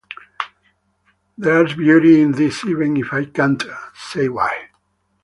There's beauty in this even if I can't say why.